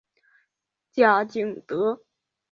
贾景德。